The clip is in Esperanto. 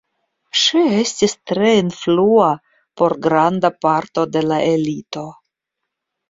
Ŝi estis tre influa por granda parto de la elito.